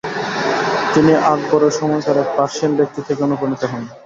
তিনি আকবরের সময়কার এক পার্সিয়ান ব্যক্তি থেকে অনুপ্রানিত হন।